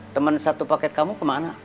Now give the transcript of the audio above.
teman satu paket kamu kemana